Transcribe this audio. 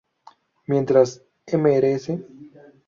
Mientras Mrs.